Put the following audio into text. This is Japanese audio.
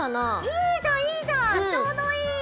いいじゃんいいじゃんちょうどいい！